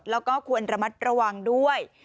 แล้วก็ควรระมัดระวังด้วย